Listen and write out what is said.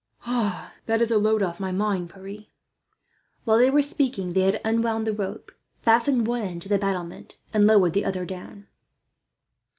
"That is a load off my mind, Pierre." While they were speaking they had unwound the rope, fastened one end to the battlement, and lowered the other down.